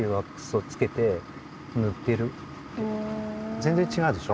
全然ちがうでしょ？